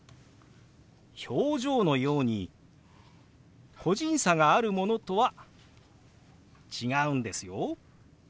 表情のように個人差があるものとは違うんですよ。